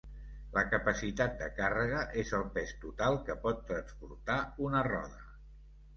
La capacitat de càrrega és el pes total que pot transportar una roda.